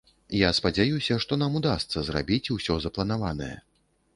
Я спадзяюся, што нам удасца зрабіць усё запланаванае.